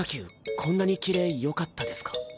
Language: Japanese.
こんなにキレよかったですか？